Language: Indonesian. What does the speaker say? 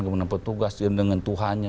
kemudian petugas dengan tuhannya